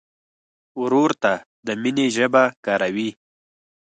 ورور ته د مینې ژبه کاروې.